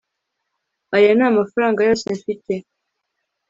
aya ni amafaranga yose mfite